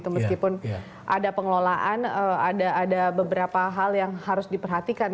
meskipun ada pengelolaan ada beberapa hal yang harus diperhatikan